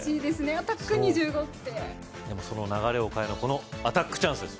アタック２５ってでもその流れを変えるのはこのアタックチャンスです